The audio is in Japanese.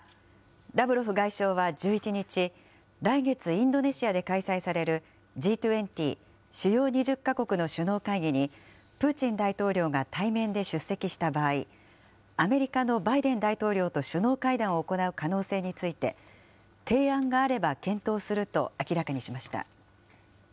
ラブロフ外相は１１日、来月インドネシアで開催されるＧ２０・主要２０か国の首脳会議に、プーチン大統領が対面で出席した場合、アメリカのバイデン大統領と首脳会談を行う可能性について、提案があれば検討すると明らかにしました。